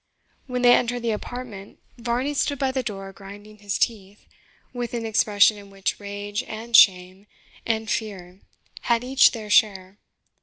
When they entered the apartment Varney stood by the door grinding his teeth, with an expression in which rage, and shame, and fear had each their share.